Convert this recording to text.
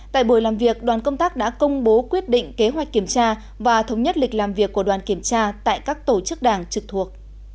tại buổi làm việc đoàn công tác đã công bố quyết định kế hoạch kiểm tra và thống nhất lịch làm việc của đoàn kiểm tra tại các tổ chức đảng trực thuộc